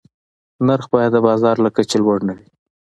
نرخ باید د بازار له کچې لوړ نه وي.